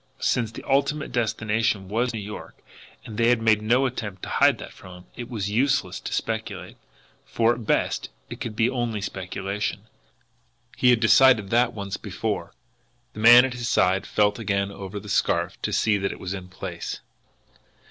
Since the ultimate destination was New York, and they had made no attempt to hide that from him, it was useless to speculate for at best it could be only speculation. He had decided that once before! The man at his side felt again over the scarf to see that it was in place.